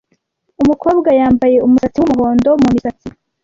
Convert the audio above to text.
Umukobwa yambaye umusatsi wumuhondo mumisatsi.